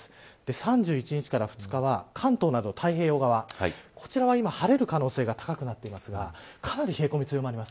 ３１日から２日は関東など太平洋側こちらは今、晴れる可能性が高くなっていますがかなり冷え込み強まります。